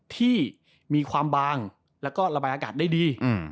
ที่มีความบางแล้วก็ระบายอากาศได้ดี